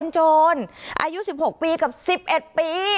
โจรอายุ๑๖ปีกับ๑๑ปี